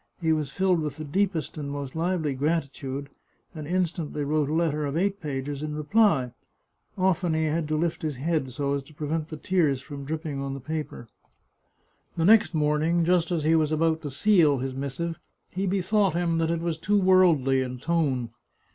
He was filled with the deepest and most lively gratitude, and instantly wrote a letter of eight pages in reply. Often he had to lift his head, so as to prevent the tears from dropping on his paper. The next morning, just as he was about to seal his missive, he bethought him that it was too worldly in tone.